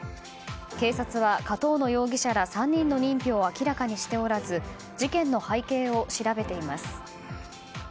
警察は上遠野容疑者ら３人の認否を明らかにしておらず事件の背景を調べています。